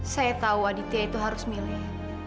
saya tahu aditya itu harus milih